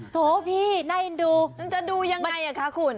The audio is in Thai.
โถพี่น่าเอ็นดูมันจะดูยังไงอ่ะคะคุณ